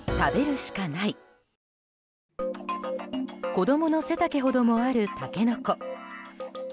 子供の背丈ほどもあるタケノコ。